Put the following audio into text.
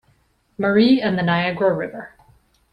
Marie and the Niagara River.